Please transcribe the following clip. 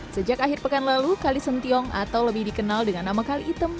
sejak akhir pekan lalu kali sentiong atau lebih dikenal dengan nama kali item